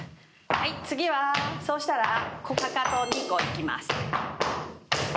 次はそうしたらかかと２個いきます。